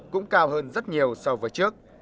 cũng cao hơn rất nhiều so với trước